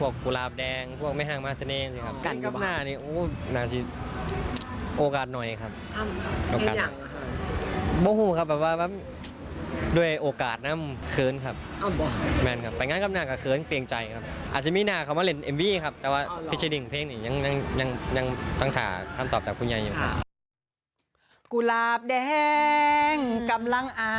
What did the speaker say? กุลาบแดงกำลังอ่าง้องอ้าสีกำลังอ่า